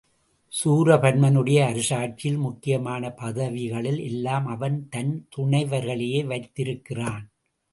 சூரபன்மனுடைய அரசாட்சியில் முக்கியமான பதவிகளில் எல்லாம் அவன் தன் துணைவர்களையே வைத்திருக்கிறான்.